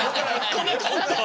このコントは？